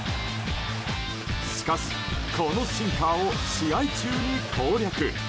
しかし、このシンカーを試合中に攻略。